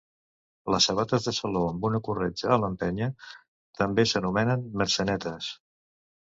Les sabates de saló amb una corretja a l'empenya també s'anomenen mercenetes.